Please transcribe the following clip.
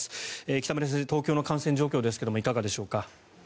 北村先生、東京の感染状況ですがいかがでしょうか？